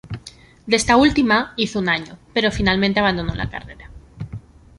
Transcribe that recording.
De esta última, hizo un año pero finalmente abandonó la carrera.